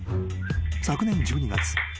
［昨年１２月。